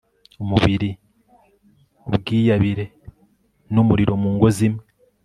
umubiri ubwiyabire numuriro Mu ngo zimwe